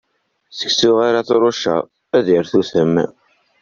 Seksu, ar t-trucceḍ, ad irtutem.